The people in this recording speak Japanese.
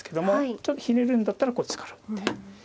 ちょっとひねるんだったらこっちから打って。